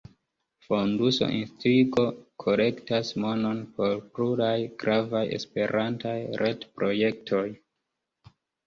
Fonduso Instigo kolektas monon por pluraj gravaj Esperantaj retprojektoj.